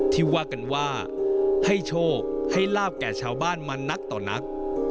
ที่ว่ากันว่าให้โชคให้ลาบแก่ชาวบ้านมานักต่อนัก